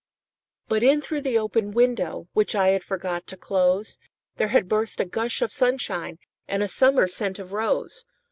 But in through the open window, Which I had forgot to close, There had burst a gush of sunshineAnd a summer scent of rose.